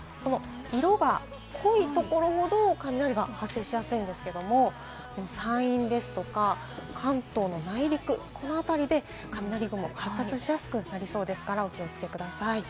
色が濃いところほど、雷が発生しやすいんですけれども、山陰ですとか、関東の内陸、この辺りで雷雲が発達しやすくなりそうですからお気をつけください。